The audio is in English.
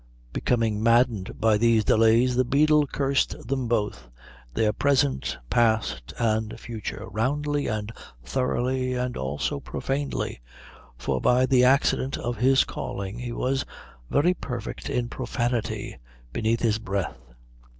Becoming maddened by these delays the beadle cursed them both, their present, past, and future, roundly and thoroughly and also profanely for by the accident of his calling he was very perfect in profanity beneath his breath.